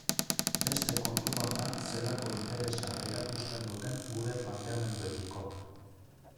Beste kontu bat da zelako interesa erakusten duten gure planteamenduekiko.